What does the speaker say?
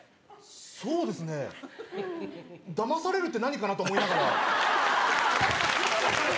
そうですね、ダマされるって何かな？と思いながら。